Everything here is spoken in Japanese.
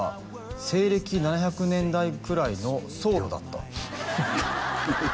「西暦７００年代くらいの僧侶だった」